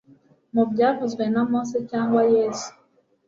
mu byavuzwe na mose cyangwa na yesu